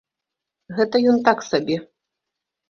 Гэта ён так сабе.